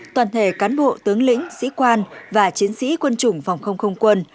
toàn thể cán bộ tướng lĩnh sĩ quan và chiến sĩ quân chủng phòng không không quân